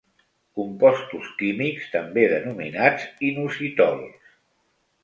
Compostos químics també denominats inositols.